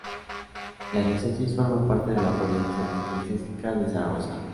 La diócesis forma parte de la provincia eclesiástica de Zaragoza.